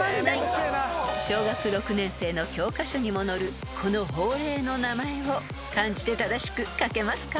［小学６年生の教科書にも載るこの法令の名前を漢字で正しく書けますか？］